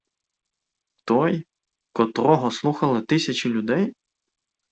Той, котрого слухали тисячі людей?